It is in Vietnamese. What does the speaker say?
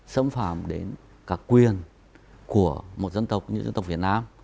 xâm phạm đến các quyền của một dân tộc như dân tộc việt nam